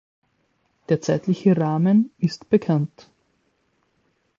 Der zeitliche Rahmen ist bekannt.